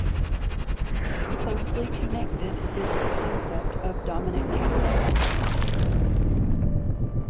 Closely connected is the concept of dominant caste.